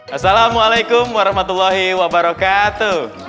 assalamualaikum warahmatullahi wabarakatuh